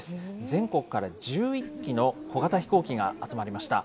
全国から１１機の小型飛行機が集まりました。